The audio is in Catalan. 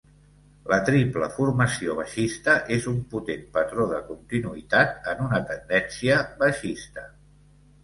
La Triple formació baixista és un potent patró de continuïtat en una tendència baixista.